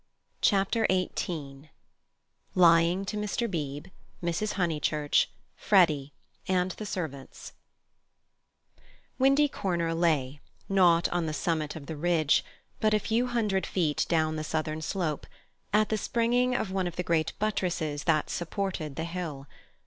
Chapter XVIII Lying to Mr. Beebe, Mrs. Honeychurch, Freddy, and The Servants Windy Corner lay, not on the summit of the ridge, but a few hundred feet down the southern slope, at the springing of one of the great buttresses that supported the hill.